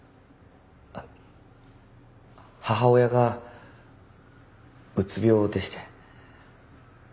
あっ母親がうつ病でして。